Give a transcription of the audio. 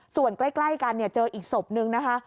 ส่วนใกล้กันเจออีกศพนึงนะคะ